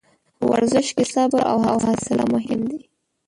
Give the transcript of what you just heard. په ورزش کې صبر او حوصله مهم دي.